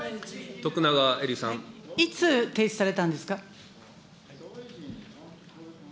いつ提出されたんですか。